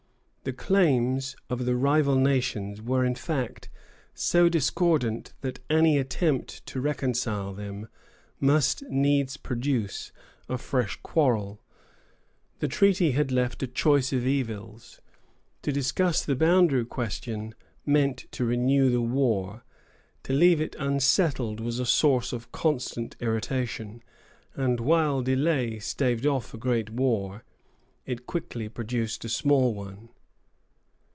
The claims of the rival nations were in fact so discordant that any attempt to reconcile them must needs produce a fresh quarrel. The treaty had left a choice of evils. To discuss the boundary question meant to renew the war; to leave it unsettled was a source of constant irritation; and while delay staved off a great war, it quickly produced a small one.